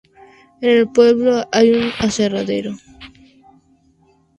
En el pueblo hay un aserradero.